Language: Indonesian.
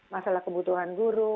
masalah kebutuhan guru